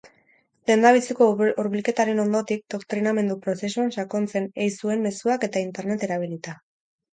Lehendabiziko hurbilketaren ondotik, doktrinamendu prozesuan sakontzen ei zuen mezuak eta internet erabilita.